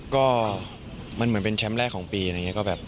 ก็มันเหมือนเป็นแชมป์แรกของปีนะครับ